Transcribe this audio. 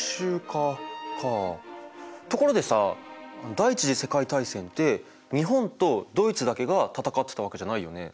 第一次世界大戦って日本とドイツだけが戦ってたわけじゃないよね。